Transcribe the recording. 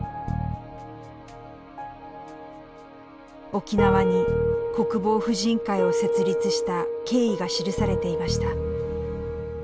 沖縄に国防婦人会を設立した経緯が記されていました。